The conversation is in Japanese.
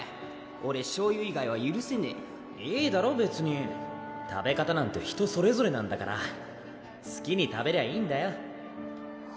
オレしょうゆ以外いいだろ別に食べ方なんて人それぞれなんだからすきに食べりゃいいんだよ